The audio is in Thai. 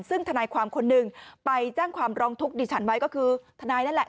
ซึ่งทนายความคนหนึ่งไปแจ้งความร้องทุกข์ดิฉันไว้ก็คือทนายนั่นแหละ